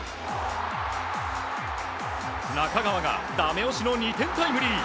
中川がダメ押しの２点タイムリー。